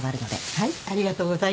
はい。